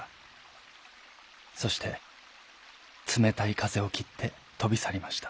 そしてつめたいかぜをきってとびさりました。